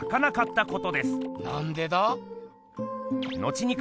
なんでだ？